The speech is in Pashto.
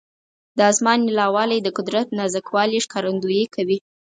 د اسمان نیلاوالی د قدرت نازک والي ښکارندویي کوي.